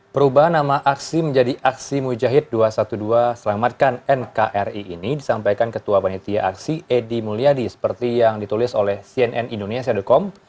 perubahan nama aksi menjadi aksi mujahid dua ratus dua belas selamatkan nkri ini disampaikan ketua panitia aksi edy mulyadi seperti yang ditulis oleh cnn indonesia com